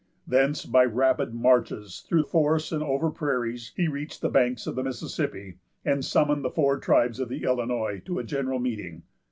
Thence, by rapid marches through forests and over prairies, he reached the banks of the Mississippi, and summoned the four tribes of the Illinois to a general meeting.